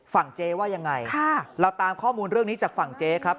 เจ๊ว่ายังไงเราตามข้อมูลเรื่องนี้จากฝั่งเจ๊ครับ